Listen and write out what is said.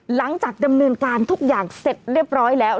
หลังจากดำเนินการทุกอย่างเสร็จเรียบร้อยแล้ว